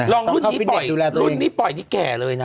ร้อนรุ่นนี้ปล่อยที่แก่เลยนะ